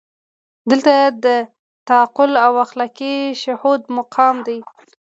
دلته د تعقل او اخلاقي شهود مقام دی.